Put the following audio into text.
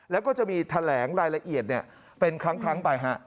แล้วก็จะมีแถลงรายละเอียดเป็นครั้งไปฮะ